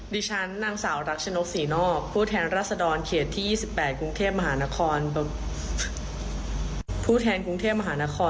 นี่แหง่คนนี้เขาก็ซ้อมเหมือนกัน